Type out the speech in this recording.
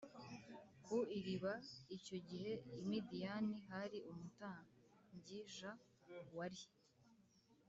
Ku iriba icyo gihe i midiyani hari umutambyij wari